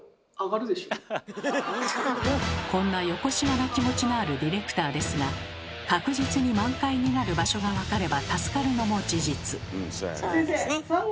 こんなよこしまな気持ちのあるディレクターですが確実に満開になる場所がわかれば助かるのも事実。